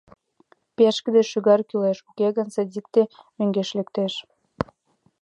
Пешкыде шӱгар кӱлеш, уке гын, садикте мӧҥгеш лектеш.